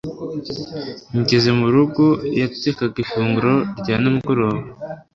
Ngeze mu rugo yatekaga ifunguro rya nimugoroba